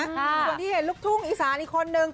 ส่วนที่เห็นลูกทุ่งอีสานอีกคนนึง